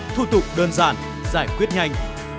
thu tục đơn giản giải quyết nhanh